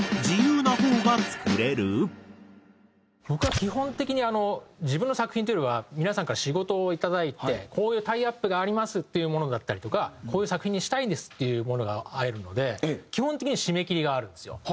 僕は基本的に自分の作品というよりは皆さんから仕事をいただいてこういうタイアップがありますっていうものだったりとかこういう作品にしたいんですっていうものが入るので基本的に締め切りがあるんですよ。